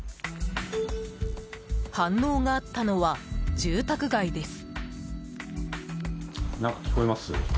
反応があったのは、住宅街です。